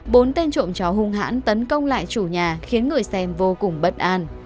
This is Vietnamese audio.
bốn tên trộm chó hung hãn tấn công lại chủ nhà khiến người xem vô cùng bất an